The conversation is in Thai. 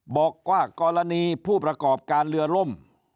บอกว่ากรณีผู้ประกอบการเรือล่ม